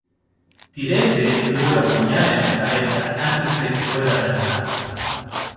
Tyreese luego lo apuñala en la cabeza antes de que pueda reanimar.